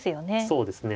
そうですね。